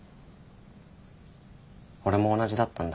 俺も同じだったんだ。